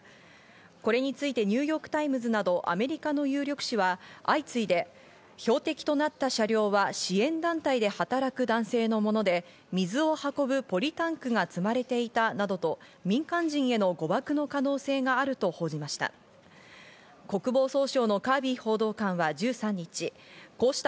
これについてニューヨーク・タイムズなどアメリカの有力紙は相次いで標的となった車両は支援団体で働く男性のもので、水を運ぶポリタンクが積まれていたなどと民間人への誤爆の可能性があると報じました。